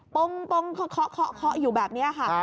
ปุ้มปุ้มเคาะอยู่แบบนี้ค่ะ